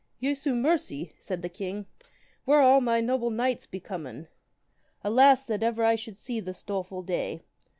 Jesu mercy, said the king, where are all my noble knights becomen. Alas that ever I should see this doleful day.